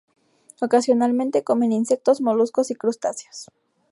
Ocasionalmente comen insectos, moluscos y crustáceos.